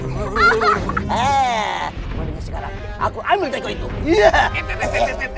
mau denger sekarang aku ambil teko itu